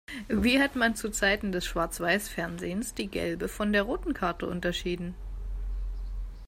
Wie hat man zu Zeiten des Schwarzweißfernsehens die gelbe von der roten Karte unterschieden?